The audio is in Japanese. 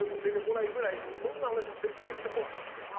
そんな話全然してこなかったんです。